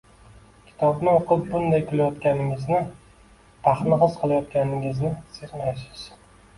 Kitobni o‘qib qanday kulayotganingizni, baxtni his qilayotganingizni sezmaysiz